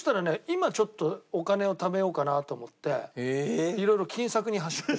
今ちょっとお金をためようかなと思っていろいろ金策に走ってる。